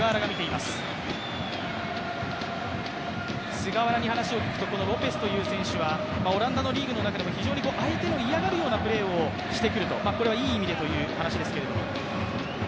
菅原に話を聞くとロペスという選手はオランダのリーグの中でも非常に相手の嫌がるようなプレーをしてくると、これはいい意味でという話ですけれど。